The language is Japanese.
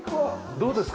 どうですか？